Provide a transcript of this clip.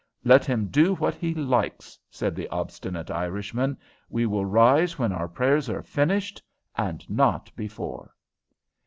"Let him do what he likes!" said the obstinate Irishman; "we will rise when our prayers are finished, and not before."